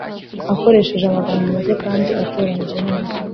akoresheje amagambo make kandi atoranyije neza